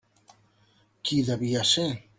Qui devia ser?